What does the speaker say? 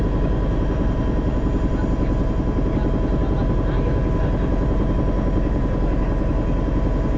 kita bisa menjaga selama tiga tahun